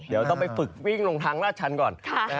เดี๋ยวต้องไปฝึกวิ่งลงทางราชชันก่อน